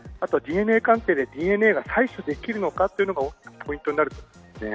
ＤＮＡ鑑定でＤＮＡが採取できるのかが、大きなポイントになると思います。